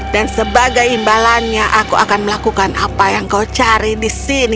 dan sebagai imbalannya aku akan melakukan apa yang kau cari di sini